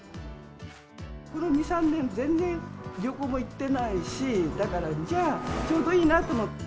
この２、３年、全然旅行も行ってないし、だから、じゃあ、ちょうどいいなと思って。